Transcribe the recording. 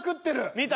見た？